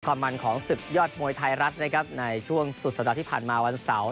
ความมันของศึกยอดมวยไทยรัฐนะครับในช่วงสุดสัปดาห์ที่ผ่านมาวันเสาร์